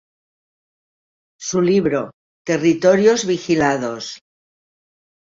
Su libro "Territorios vigilados.